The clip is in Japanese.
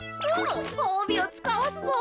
ほうびをつかわすぞ。